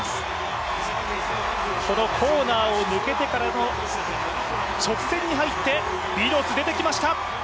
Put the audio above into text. このコーナーを抜けてからの直線に入ってビドツ出てきました。